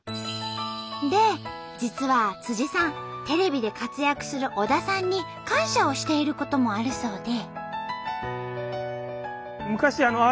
で実はさんテレビで活躍する小田さんに感謝をしていることもあるそうで。